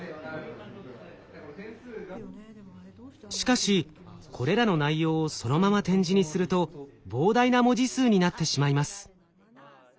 しかしこれらの内容をそのまま点字にすると膨大な文字数になってしまいます。